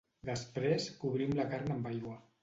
Després, cobrim la carn amb aigua.